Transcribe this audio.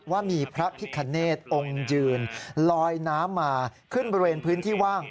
ว่ามีพระพิคเนธองค์ยืนลอยน้ำมาขึ้นบริเวณพื้นที่ว่าง